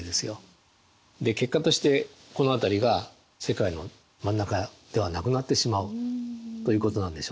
で結果としてこの辺りが世界の真ん中ではなくなってしまうということなんでしょうね。